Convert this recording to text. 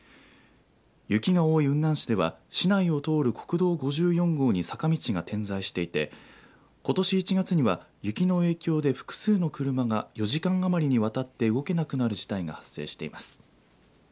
雪が多い雲南市では、市内を通る国道５４号に坂道が点在していてことし１月には雪の影響で複数の車が４時間余りにわたって動けなくなる事態が発生しています。